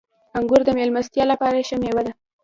• انګور د میلمستیا لپاره ښه مېوه ده.